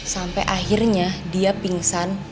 sampai akhirnya dia pingsan